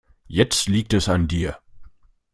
Jetzt liegt es an dir.